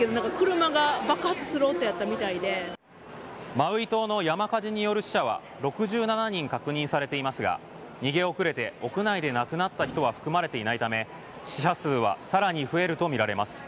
マウイ島の山火事による死者は６７人確認されていますが逃げ遅れて屋内で亡くなった人は含まれていないため死者数はさらに増えるとみられます。